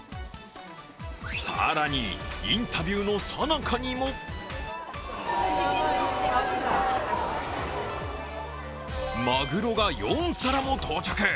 更に、インタビューの最中にもマグロが４皿も到着。